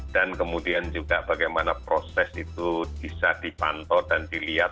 dan kemudian juga bagaimana proses itu bisa dipantau dan dilihat